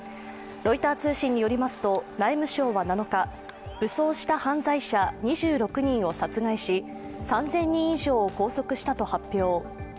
ロイター通信によりますと武装した犯罪者２６人を殺害し、３０００人以上を拘束したと発表。